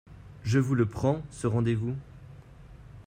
Je vous le prends, ce rendez-vous?